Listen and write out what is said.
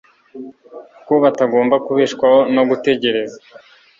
ko batagomba kubeshwaho no gutegereza